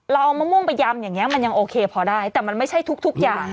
เราเอามะม่วงไปยำอย่างนี้มันยังโอเคพอได้แต่มันไม่ใช่ทุกอย่าง